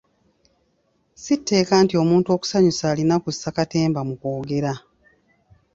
Si tteeka nti omuntu okusanyusa alina kussa katemba mu kwogera.